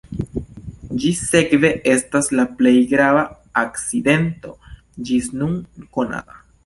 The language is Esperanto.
Ĝi sekve estas la plej grava akcidento ĝis nun konata.